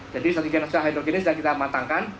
jadi strategi hidrogen ini sudah kita matangkan